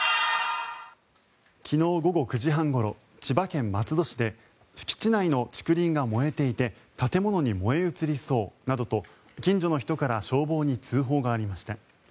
昨日午後９時半ごろ千葉県松戸市で敷地内の竹林が燃えていて建物に燃え移りそうなどと近所の人から消防に通報がありました。